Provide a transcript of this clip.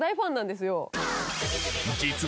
［実は］